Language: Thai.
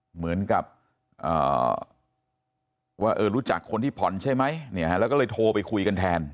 เหมือนกับว่ารู้จักคนที่ผ่อนใช่ไหมแล้วก็เลยโทรไปคุยกันแทน